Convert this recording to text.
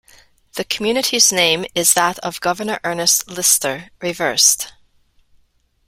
The community's name is that of Governor Ernest Lister, reversed.